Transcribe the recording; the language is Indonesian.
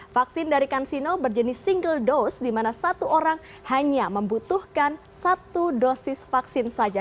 vaksin dari kansino berjenis single dose di mana satu orang hanya membutuhkan satu dosis vaksin saja